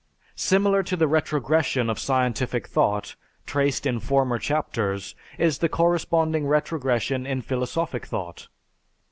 Similar to the retrogression of scientific thought, traced in former chapters, is the corresponding retrogression in philosophic thought.